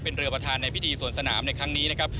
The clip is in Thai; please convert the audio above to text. เป็นเรือประธานในพิธีสวนสนามในครั้งนี้นะครับ